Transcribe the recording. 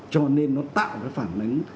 cho nên nó tạo phản ánh